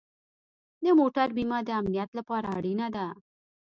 د موټر بیمه د امنیت لپاره اړینه ده.